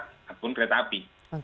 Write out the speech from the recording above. ataupun kereta api